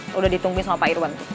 lo udah ditungguin sama pak irwan